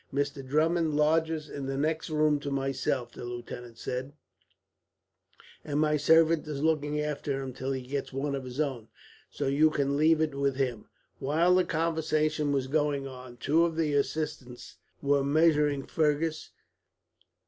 "Mr. Drummond lodges in the next room to myself," the lieutenant said; "and my servant is looking after him, till he gets one of his own, so you can leave it with him." While the conversation was going on, two of the assistants were measuring Fergus.